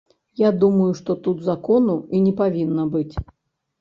Я думаю, што тут закону і не павінна быць.